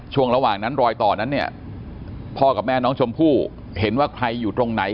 ระหว่างนั้นรอยต่อนั้นเนี่ยพ่อกับแม่น้องชมพู่เห็นว่าใครอยู่ตรงไหน